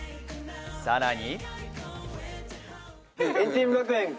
さらに。